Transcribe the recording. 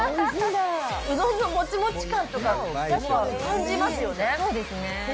うどんのもちもち感とか、やっぱ感じますよね。